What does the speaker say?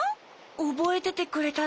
おぼえててくれたの？